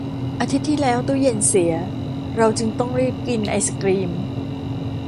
อาทิตย์ที่แล้วตู้เย็นเสีย เราจึงต้องรีบกินไอศกรีม